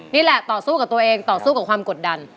นี่แหละต่อสู้กับตัวเองต่อสู้กับความกดดัน